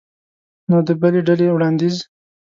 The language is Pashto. نو د بلې ډلې وړاندیز